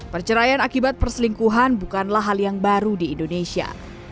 perceraian akibat perselingkuhan bukanlah hal yang baru di indonesia